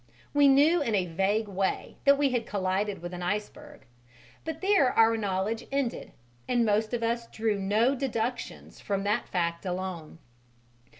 We knew in a vague way that we had collided with an iceberg, but there our knowledge ended, and most of us drew no deductions from that fact alone.